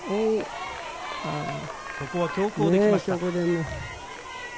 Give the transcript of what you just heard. ここは強攻で来ました。